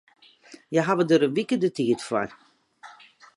Hja hawwe dêr in wike de tiid foar.